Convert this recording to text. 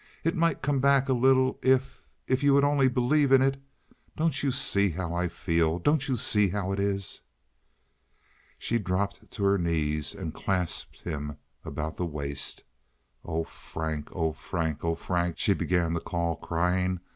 It might come back a little if—if—you would only believe in it. Don't you see how I feel? Don't you see how it is?" She dropped to her knees and clasped him about the waist. "Oh, Frank! Oh, Frank! Oh, Frank!" she began to call, crying.